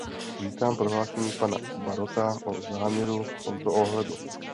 Vítám prohlášení pana Barrota o záměru v tomto ohledu.